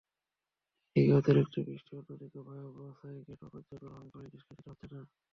একদিকে অতিরিক্ত বৃষ্টি, অন্যদিকে ভবদহ স্লুইসগেট অকার্যকর হওয়ায় পানি নিষ্কাশিত হচ্ছে না।